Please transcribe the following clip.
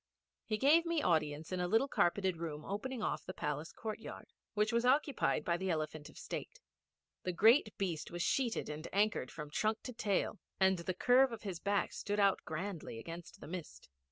He gave me audience in a little carpeted room opening off the palace courtyard which was occupied by the Elephant of State. The great beast was sheeted and anchored from trunk to tail, and the curve of his back stood out grandly against the mist.